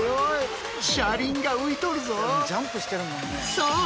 そう！